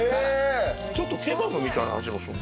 ちょっとケバブみたいな味がする。